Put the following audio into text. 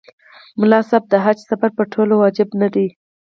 ملا صاحب د حج سفر په ټولو واجب نه دی.